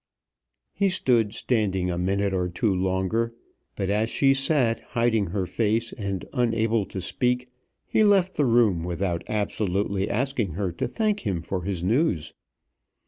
He stood standing a minute or two longer, but as she sat hiding her face, and unable to speak, he left the room without absolutely asking her to thank him for his news.